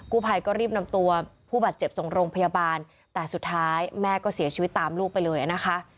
ผู้ภัยก็รีบนำตัวผู้บาดเจ็บส่งโรงพยาบาลแต่สุดท้ายแม่ก็เสียชีวิตตามลูกไปเลยนะคะ